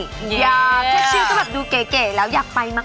เชฟชิลก็แบบดูเก๋แล้วอยากไปมาก